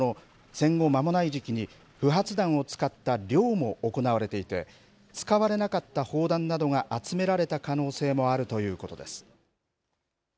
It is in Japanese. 戦後間もない時期に不発弾を使った漁も行われていて使われなかった砲弾などが集められた可能性もあるということです。